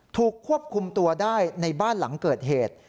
ถูกควบคุมตัวได้ในบ้านหลังเกิดเหตุ